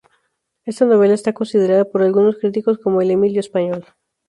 Esta novela está considerada por algunos críticos como "el "Emilio" español".